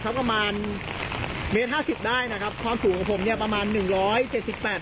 ประมาณเมตรห้าสิบได้นะครับความสูงของผมเนี่ยประมาณหนึ่งร้อยเจ็ดสิบแปด